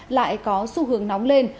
lại có xu hướng nóng lên